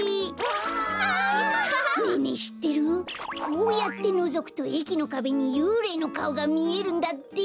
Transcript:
こうやってのぞくとえきのかべにゆうれいのかおがみえるんだって。